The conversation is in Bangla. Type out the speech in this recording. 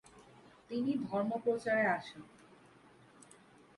তিনি ধর্মপ্রচারে আসেন।